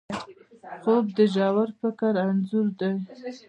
خوب د ژور فکر انځور دی